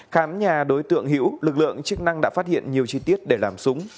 khám nhà đối tượng hiễu lực lượng chức năng đã phát hiện nhiều chi tiết để làm súng